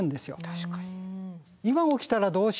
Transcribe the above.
確かに。